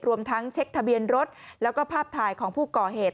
รวมทั้งเช็คทะเบียนรถแล้วก็ภาพถ่ายของผู้ก่อเหตุ